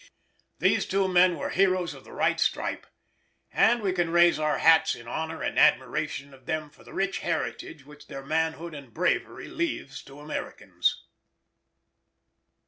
These two men were heroes of the right stripe, and we can raise our hats in honour and admiration of them for the rich heritage which their manhood and bravery leaves to Americans.